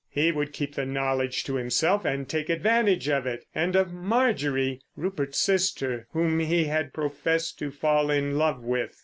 He would keep the knowledge to himself and take advantage of it ... and of Marjorie!—Rupert's sister—whom he had professed to fall in love with.